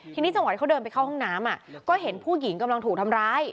ทีนี้จังหวะที่เขาเดินไปเข้าห้องน้ำก็เห็นผู้หญิงกำลังถูกทำร้าย